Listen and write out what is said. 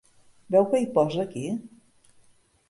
Veu què hi posa, aquí?